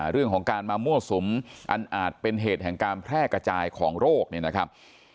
เรื่องของการมามั่วสุมอันอาจเป็นเหตุแห่งการแพร่กระจายของโรคเนี่ยนะครับ